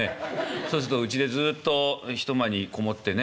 そうすっとうちでずっと一間に籠もってね